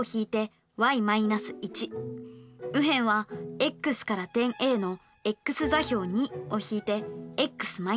右辺はｘから点Ａのｘ座標２を引いてｘ−２。